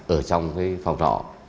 ở trong phòng trọ